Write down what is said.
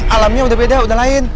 alamnya udah beda udah lain